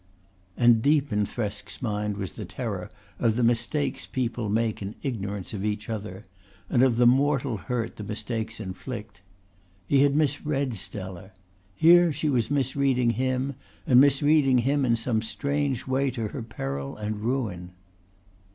And deep in Thresk's mind was the terror of the mistakes people make in ignorance of each other, and of the mortal hurt the mistakes inflict. He had misread Stella. Here was she misreading him and misreading him in some strange way to her peril and ruin.